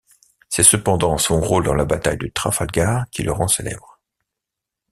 C'est cependant son rôle dans la bataille de Trafalgar, qui le rend célèbre.